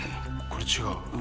これ違う。